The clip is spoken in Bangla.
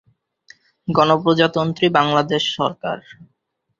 গণপ্রজাতন্ত্রী বাংলাদেশ সরকার।